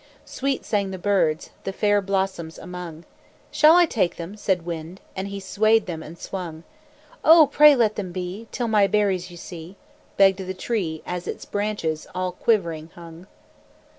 Sweet sang the birds The fair blossoms among. "Shall I take them?" said Wind, As he swayed them and swung. "Oh! pray let them be, Till my berries you see!" Begged the Tree, as its branches All quivering hung.